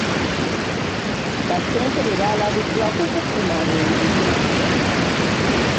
Bassentebe baalabuddwa ku kufuna enguzi.